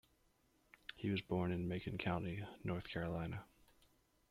He was born in Macon County, North Carolina.